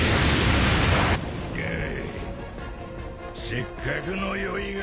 せっかくの酔いが。